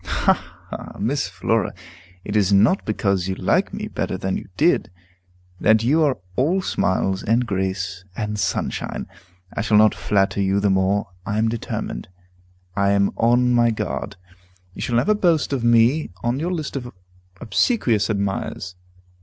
"Ha, ha! Miss Flora! It is not because you like me better than you did, that you are all smiles, and grace, and sunshine. I shall not flatter you the more, I am determined. I am on my guard. You shall never boast of me on your list of obsequious admirers.